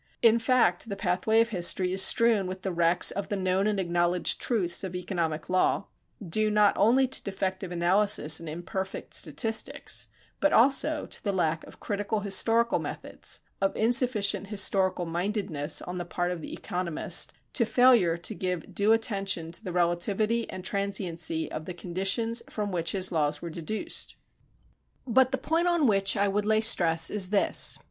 In fact the pathway of history is strewn with the wrecks of the "known and acknowledged truths" of economic law, due not only to defective analysis and imperfect statistics, but also to the lack of critical historical methods, of insufficient historical mindedness on the part of the economist, to failure to give due attention to the relativity and transiency of the conditions from which his laws were deduced. But the point on which I would lay stress is this.